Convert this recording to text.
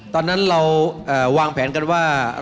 ตอนนั้นเราวางแผนกันว่า